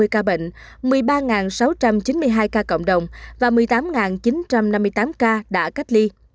ba mươi hai sáu trăm năm mươi ca bệnh một mươi ba sáu trăm chín mươi hai ca cộng đồng và một mươi tám chín trăm năm mươi tám ca đã cách ly